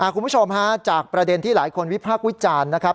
คุณผู้ชมฮะจากประเด็นที่หลายคนวิพากษ์วิจารณ์นะครับ